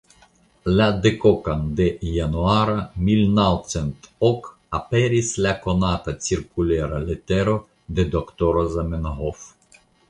La dekokan de Januaro milnaŭcentok aperis la konata cirkulera letero de Doktoro Zamenhof.